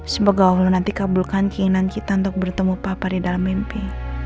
semoga allah nanti kabulkan keinginan kita untuk bertemu papa di dalam mimpi